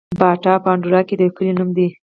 باټا په اندړو کي د يو کلي نوم دی